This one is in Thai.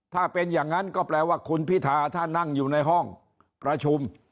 ถ้าเป็นอย่างนั้นก็แปลว่าคุณพิธาถ้านั่งอยู่ในห้องประชุม